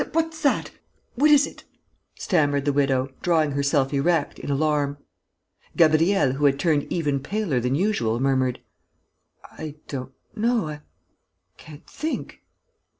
"What's that? What is it?" stammered the widow, drawing herself erect, in alarm. Gabriel, who had turned even paler than usual, murmured: "I don't know.... I can't think...."